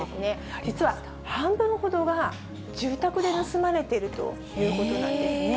実は半分ほどは住宅で盗まれているということなんですね。